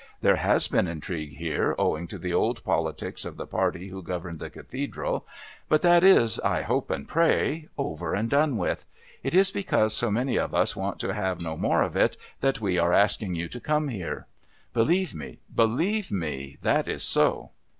There has been intrigue here owing to the old politics of the party who governed the Cathedral. But that is, I hope and pray, over and done with. It is because so many of us want to have no more of it that we are asking you to come here. Believe me, believe me, that is so."